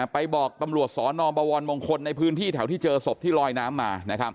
ไปบอกตำรวจสนบวรมงคลในพื้นที่แถวที่เจอศพที่ลอยน้ำมา